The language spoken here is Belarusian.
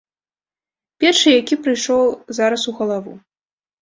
Першы, які прыйшоў зараз у галаву.